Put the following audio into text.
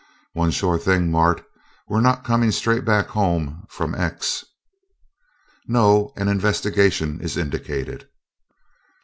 One sure thing, Mart we're not coming straight back home from 'X'." "No, an investigation is indicated."